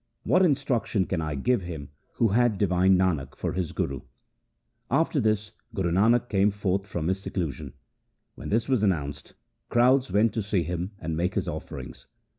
What instruction can I give him who had divine Nanak for his guru ? 1 After this Guru Angad came forth from his seclusion. When this was announced, crowds went to see him and make him offerings.